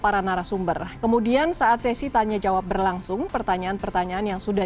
para narasumber kemudian saat sesi tanya jawab berlangsung pertanyaan pertanyaan yang sudah